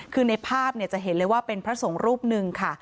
คือในภาพจะเห็นเลยว่าเป็นพระสงฆ์รูปหนึ่งค่ะ